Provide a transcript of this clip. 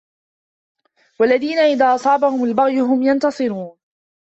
وَالَّذينَ إِذا أَصابَهُمُ البَغيُ هُم يَنتَصِرونَ